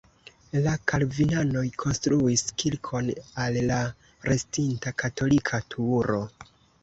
La kalvinanoj konstruis kirkon al la restinta katolika turo.